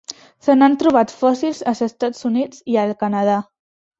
Se n'han trobat fòssils als Estats Units i el Canadà.